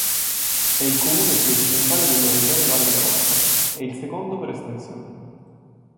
È il comune più occidentale della regione Valle d'Aosta, e il secondo per estensione.